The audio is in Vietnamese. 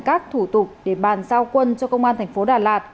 các thủ tục để bàn giao quân cho công an tp đà lạt